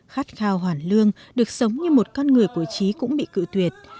khát khao hoàn lương được sống như một con người của trí cũng bị cự tuyệt